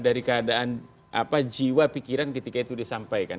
dari keadaan jiwa pikiran ketika itu disampaikan